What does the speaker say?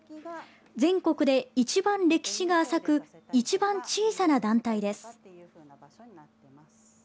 全国で一番歴史が浅く一番小さな団体です。